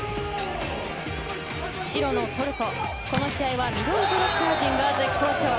白のトルコ、この試合はミドルブロッカー陣が絶好調。